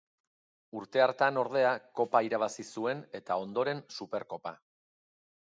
Urte hartan ordea Kopa irabazi zuen eta ondoren Superkopa.